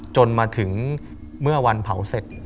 จนมาถึงเมื่อวันเผาเสร็จ